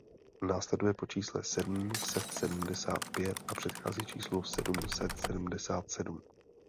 Následuje po čísle sedm set sedmdesát pět a předchází číslu sedm set sedmdesát sedm.